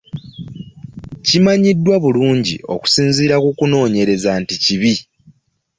Kimanyiddwa bulungi okusinziira mu kunoonyereza nti kibi.